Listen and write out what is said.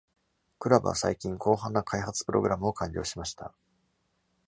クラブは最近、広範な開発プログラムを完了しました。